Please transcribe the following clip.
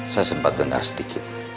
saya sempat dengar sedikit